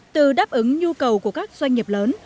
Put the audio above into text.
từ đáp ứng nhu cầu của các doanh nghiệp lớn